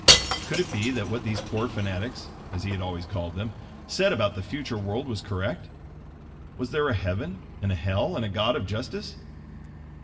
Could it be that what these poor fanatics, as he had always called them, said about the future world was correct? Was there a heaven, and a hell, and a God of justice?